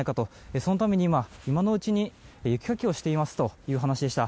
そのために今のうちに雪かきをしていますという話でした。